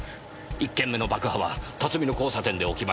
１件目の爆破は辰巳の交差点で起きました。